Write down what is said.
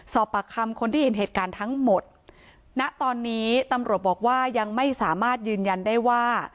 สอบปากคำคนที่เห็นเหตุการณ์ทั้งหมดณตอนนี้ตำรวจบอกว่ายังไม่สามารถยืนยันได้ว่า